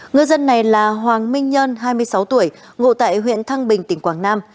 ngư dân này là hoàng minh nhân hai mươi sáu tuổi ngụ tại huyện thăng bình tỉnh quảng nam